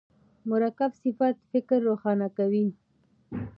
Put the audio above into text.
مرکب صفت فکر روښانه کوي.